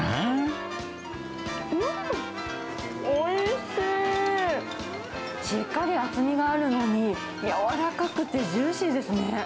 しっかり厚みがあるのに、柔らかくてジューシーですね。